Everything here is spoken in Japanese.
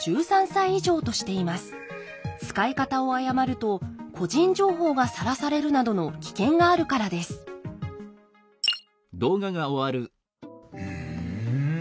使い方を誤ると個人情報がさらされるなどの危険があるからですふん。